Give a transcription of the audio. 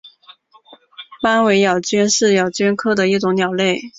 斑尾咬鹃是咬鹃科的一种鸟类。